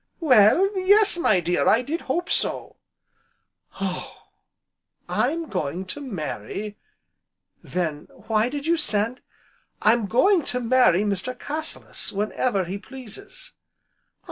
"Well, yes my dear, I did hope so " "Oh! I'm going to marry " "Then why did you send " "I'm going to marry Mr. Cassilis whenever he pleases!"